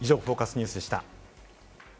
ニュースでした。